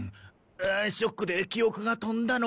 ショックで記憶が飛んだのか？